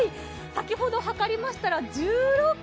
先ほどはかりましたら１６ｋｇ。